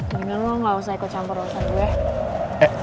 ardi mendingan lo gak usah ikut campur urusan gue